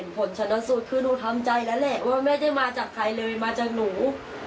ตั้งแต่หนูเห็นผลชนสูตรคือหนูทำใจแล้วแหละว่าไม่ได้มาจากใครเลยมาจากหนู